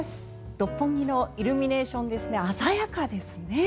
六本木のイルミネーションですが鮮やかですね。